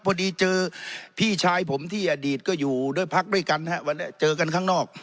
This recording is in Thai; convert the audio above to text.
พอดีเจอพี่ชายผมที่อดีตก็อยู่ด้วยพักด้วยกันฮะวันนี้เจอกันข้างนอก